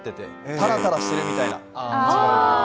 タラタラしてるみたいな。